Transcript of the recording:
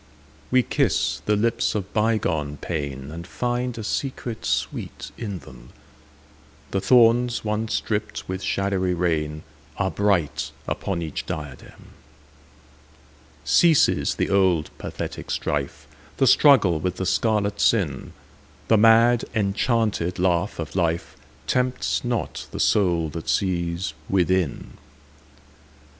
We kiss the lips of bygone painAnd find a secret sweet in them:The thorns once dripped with shadowy rainAre bright upon each diadem. Ceases the old pathetic strife, The struggle with the scarlet sin:The mad enchanted laugh of lifeTempts not the soul that sees within.